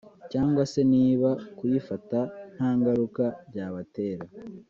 cyangwa se niba kuyifata nta ngaruka byabatera